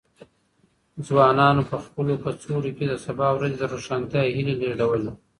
ځوانانو په خپلو کڅوړو کې د سبا ورځې د روښانتیا هیلې لېږدولې.